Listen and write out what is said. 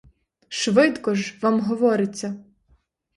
Швидко ж, вам говориться.